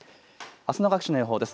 あすの各地の予報です。